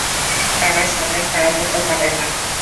তারা সবাই খারাপ হতে পারে না!